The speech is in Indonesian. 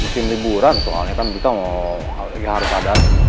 mungkin liburan soalnya kan kita mau ya harus ada